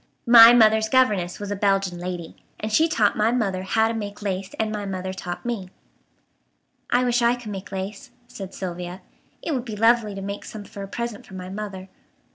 "My mother's governess was a Belgian lady, and she taught my mother how to make lace and my mother taught me." "I wish I could make lace," said Sylvia. "It would be lovely to make some for a present for my mother."